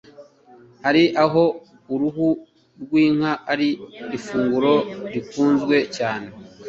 hari aho uruhu rw'inka ari ifunguro rikunzwe cyane.